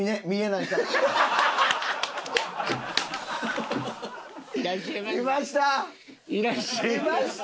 いらっしゃいました。